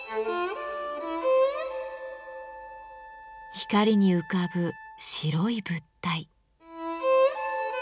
光に浮かぶ白い物体。